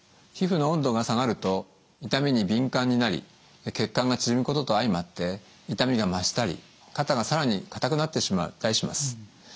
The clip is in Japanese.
皮膚の温度が下がると痛みに敏感になり血管が縮むことと相まって痛みが増したり肩が更に硬くなってしまったりします。